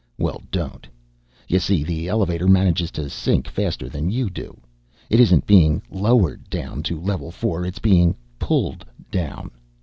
Well, don't. You see, the elevator manages to sink faster than you do. It isn't being lowered down to level four, it's being pulled down.